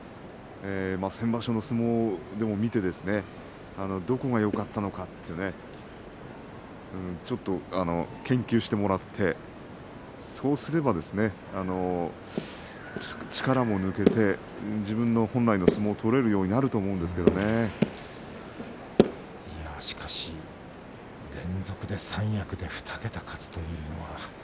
先場所の相撲を見てどこがよかったのかちょっと研究をしてもらってそうすれば、力も抜けて自分の本来の相撲を取れるようになると思うんですけれどしかし連続で三役で２桁勝つというのは。